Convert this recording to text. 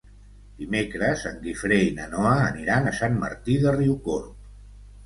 Dimecres en Guifré i na Noa aniran a Sant Martí de Riucorb.